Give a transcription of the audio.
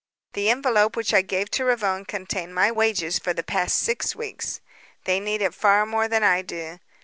The envelope which I gave to Ravone contained my wages for the past six weeks. They need it far more than I do.